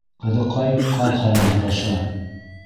Ҡыҙыҡай-ҡаҙ хәлен һораша.